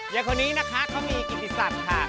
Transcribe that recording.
ยายคนนี้นะคะเขามีกิติศักดิ์ค่ะ